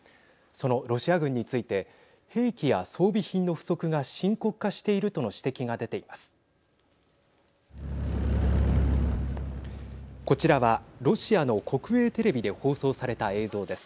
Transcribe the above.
そのロシア軍について兵器や装備品の不足が深刻化しているとの指摘が出ています。